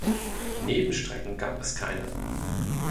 Nebenstrecken gab es keine.